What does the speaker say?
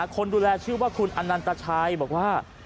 คนดูแลชื่อว่าคุณอนันตชัยบอกว่า